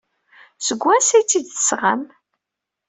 Seg wansi ay tt-id-tesɣam?